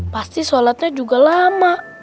pasti sholatnya juga lama